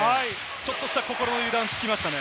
ちょっとした心の油断、つきましたね。